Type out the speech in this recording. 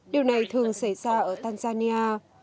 điều này thường xảy ra ở tanzania